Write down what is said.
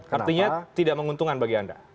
artinya tidak menguntungkan bagi anda